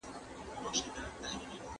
¬ سل بللي يو نابللی سره يو نه دي. -